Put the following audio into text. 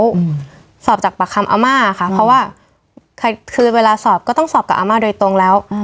อืมสอบจากปากคำอาม่าค่ะเพราะว่าคือเวลาสอบก็ต้องสอบกับอาม่าโดยตรงแล้ว